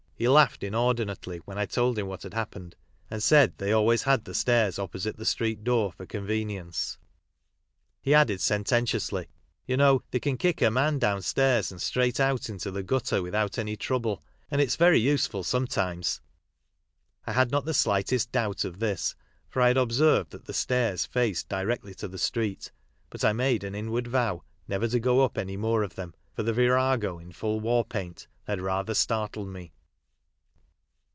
He laughed inordinately when I told him what had happened, and said they always had the stairs opposite the street door for convenience. ^ He addad sententiously, "You know they can kick a man down stairs and straight out into the gutter without any trouble, and its very useful sometimes." I had not the slightest doubt of this, for I had observed that the stairs faced directly to the street, but I made an inward vow never to go up any more of them, for the virago in full war paint had rather startled me.